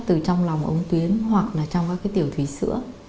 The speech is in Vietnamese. từ trong lòng ống tuyến hoặc là trong các cái tiểu thủy sữa